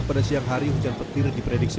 pada siang hari hujan petir diprediksi